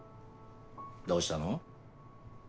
どうしたの？